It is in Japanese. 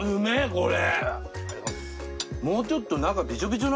これ。